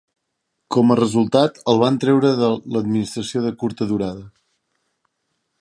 Com a resultat, el van treure de l'administració de curta durada.